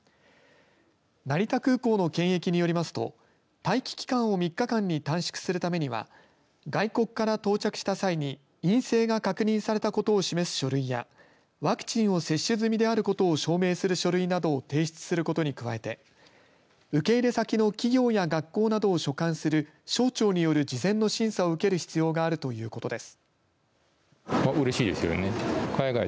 成田空港の検疫によりますと待機期間を３日間に短縮するためには外国から到着した際に陰性が確認されたことを示す書類やワクチンを接種済みであることを証明する書類などを提出することに加えて受け入れ先の企業や学校などを所管する省庁による事前の審査を受ける必要があるということです。